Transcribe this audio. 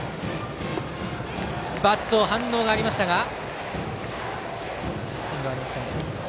バット、反応がありましたがスイングはありません。